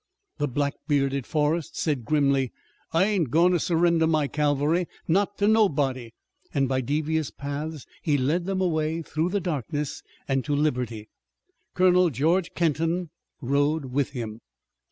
The black bearded Forrest said grimly: "I ain't goin' to surrender my cavalry, not to nobody," and by devious paths he led them away through the darkness and to liberty. Colonel George Kenton rode with him.